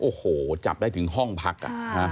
โอ้โหจับได้ถึงห้องพัก